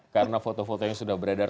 karena foto foto yang sudah beredar